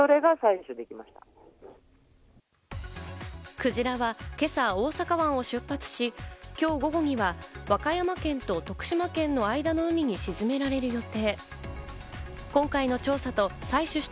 クジラは今朝、大阪湾を出発し、今日午後には和歌山県と徳島県の間の海に沈められる予定。